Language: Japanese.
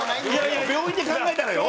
いや病院で考えたらよ？